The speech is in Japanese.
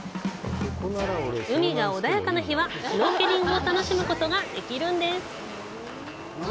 海が穏やかな日はシュノーケリングを楽しむことができるんです。